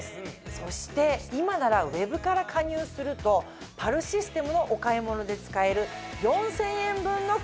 そして今ならウェブから加入するとパルシステムのお買い物で使える４０００円分のクーポン。